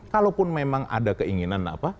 kalaupun memang ada keinginan apa